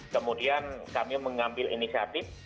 kemudian kami mengambil inisiatif